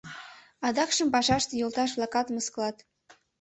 Адакшым пашаште йолташ-влакат мыскылат.